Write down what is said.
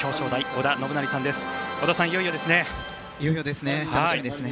織田さん、いよいよですね。